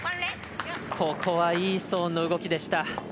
ここはいいストーンの動きでした。